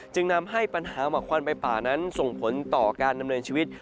นำให้ปัญหาหมอกควันไฟป่านั้นส่งผลต่อการดำเนินชีวิต